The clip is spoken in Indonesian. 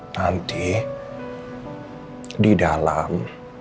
nanti di dalam